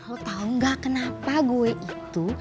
lo tau gak kenapa gue itu